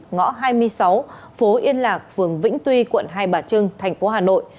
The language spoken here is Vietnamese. ngõ hai mươi sáu phố yên lạc phường vĩnh tuy quận hai bà trưng tp hà nội